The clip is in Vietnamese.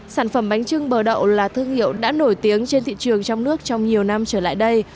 sản phẩm bánh trưng bờ đậu là thương hiệu đã nổi tiếng trên thị trường trong nước trong nhiều năm trở lại đây